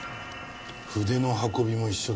筆の運びも一緒だ。